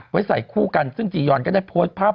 ไว้ใส่คู่กันซึ่งจียอนก็ได้โพสต์ภาพ